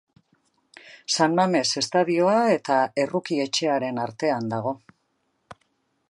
San Mames estadioa eta Erruki etxearen artean dago.